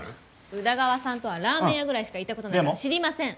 宇田川さんとはラーメン屋ぐらいしか行ったことないから知りません。